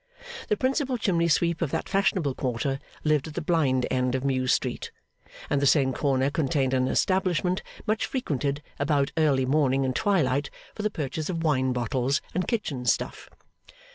The principal chimney sweep of that fashionable quarter lived at the blind end of Mews Street; and the same corner contained an establishment much frequented about early morning and twilight for the purchase of wine bottles and kitchen stuff.